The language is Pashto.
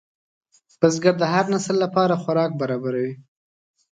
بزګر د هر نسل لپاره خوراک برابروي